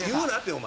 お前。